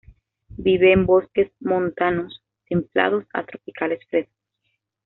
Vive en bosques montanos templados a tropicales frescos.